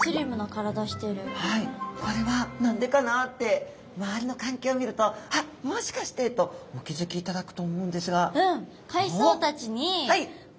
はいこれは何でかなって周りの環境を見ると「あっもしかして！」とお気付きいただくと思うんですが。